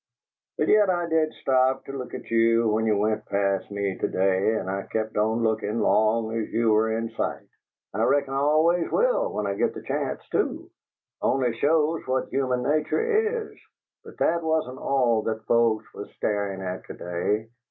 But yet I did stop to look at you when you went past me to day, and I kept on lookin', long as you were in sight. I reckon I always will, when I git the chance, too only shows what human nature IS! But that wasn't all that folks were starin' at to day.